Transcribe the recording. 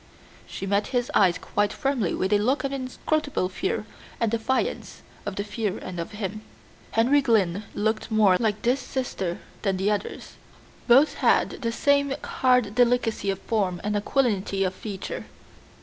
She met his eyes quite firmly with a look of inscrutable fear, and defiance of the fear and of him. Henry Glynn looked more like this sister than the others. Both had the same hard delicacy of form and aquilinity of feature.